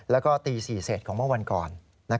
แล้วก็ตี๔เศษของเมื่อวันก่อน